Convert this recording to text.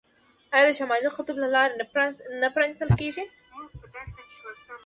آیا د شمالي قطب لارې نه پرانیستل کیږي؟